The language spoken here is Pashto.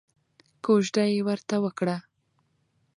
کوژده یې ورته وکړه.